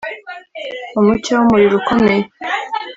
Umucyo wumuriro ukomeye